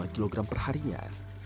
dua lima kg perharinya